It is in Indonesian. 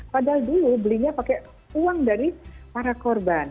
padahal dulu belinya pakai uang dari para korban